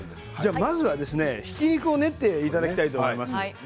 まずはひき肉を練っていただきたいと思います。